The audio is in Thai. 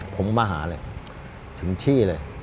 ผมมาหาเลยถึงที่เลย